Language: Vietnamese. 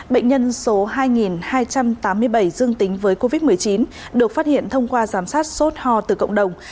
bệnh nhân số hai hai trăm tám mươi bảy dương tính với covid một mươi chín được phát hiện thông qua giám sát sốt ho từ cộng đồng